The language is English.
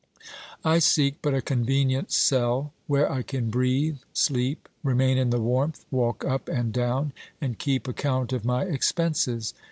I seek but a convenient cell where I can breathe, sleep, remain in the warmth, walk up and down, and keep account of my expenses.